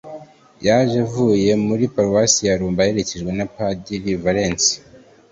yaje avuye muri paruwasi ya rambura, aherekejwe na padiri valens